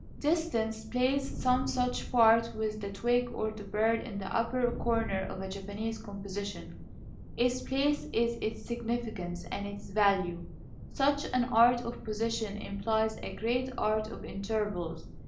Distance plays some such part with the twig or the bird in the upper corner of a Japanese composition. Its place is its significance and its value. Such an art of position implies a great art of intervals.